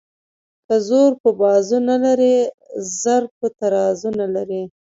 که زور په بازو نه لري زر په ترازو نه لري.